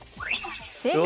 正解！